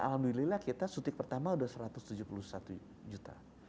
alhamdulillah kita suntik pertama sudah satu ratus tujuh puluh satu juta